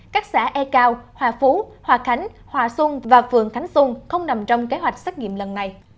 các xã e cao hòa phú hòa khánh hòa xuân và phường khánh xuân không nằm trong kế hoạch xét nghiệm lần này